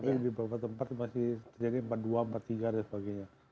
tapi di beberapa tempat masih terjadi empat puluh dua empat tiga dan sebagainya